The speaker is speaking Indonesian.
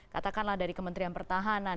katakanlah dari kementerian pertahanan